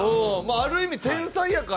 ある意味天才やから。